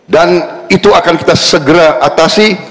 dan itu akan kita segera atasi